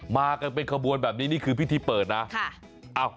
มากันเป็นขบวนแบบนี้นี่คือพิธีเปิดนะ